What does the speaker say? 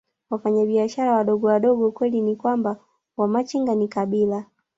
Wafanyabiashara wadogowadogo Ukweli ni kwamba Wamachinga ni kabila